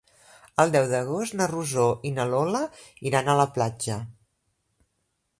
El deu d'agost na Rosó i na Lola iran a la platja.